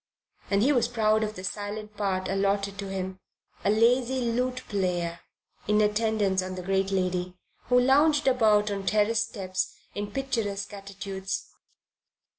And he was proud of the silent part allotted to him, a lazy lute player in attendance on the great lady, who lounged about on terrace steps in picturesque attitudes.